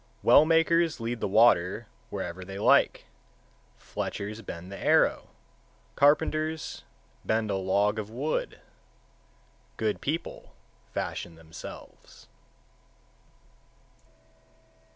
145. Well makers lead the water (wherever they like); fletchers bend the arrow; carpenters bend a log of wood; good people fashion themselves.